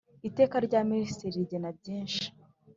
Iteka rya Minisitiri rigena byishi.